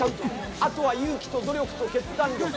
あとは勇気と努力と決断力。